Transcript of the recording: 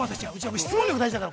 質問大事だから。